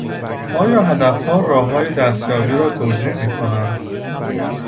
آیا هدفها راههای دستیابی را توجیه می کنند؟